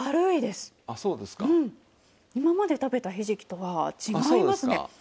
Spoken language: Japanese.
今まで食べたひじきとは違いますね。